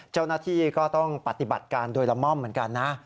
เจ้าหน้าที่ก็ต้องปฏิบัติการโดยละม่อมเหมือนกันนะ